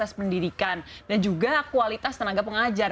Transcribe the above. kualitas pendidikan dan juga kualitas tenaga pengajar